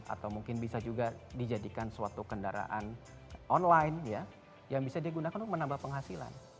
atau mungkin bisa juga dijadikan suatu kendaraan online yang bisa digunakan untuk menambah penghasilan